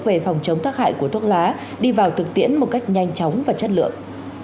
về phòng chống tác hại của thuốc lá đi vào thực tiễn một cách nhanh chóng và chất lượng